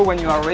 ini kudang biru